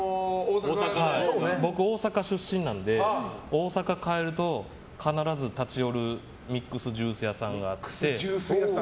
僕、大阪出身なんで大阪帰ると必ず立ち寄るミックスジュース屋さんがあって。